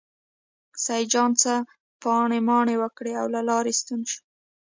سیدجان څه بانې مانې وکړې او له لارې ستون شو.